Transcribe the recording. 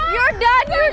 lo udah viral